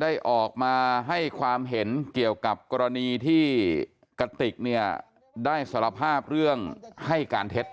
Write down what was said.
ได้ออกมาให้ความเห็นเกี่ยวกับกรณีที่กติกเนี่ยได้สารภาพเรื่องให้การเท็จ